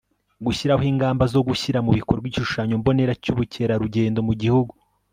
gushyiraho ingamba zo gushyira mu bikorwa igishushanyo mbonera cy'ubukerarugendo mu gihugu